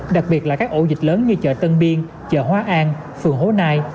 đặc biệt là các ổ dịch lớn như chợ tân biên chợ hóa an phường hố nai